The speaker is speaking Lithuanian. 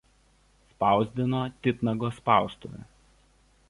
Spausdino „Titnago“ spaustuvė.